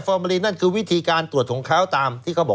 ก็คือเป็นวิธีการตรวจของเขาต่ามสไตล์เขา